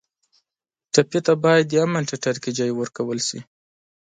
ټپي ته باید د امن ټټر کې ځای ورکړل شي.